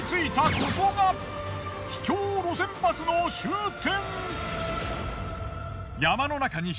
ここが秘境路線バスの終点。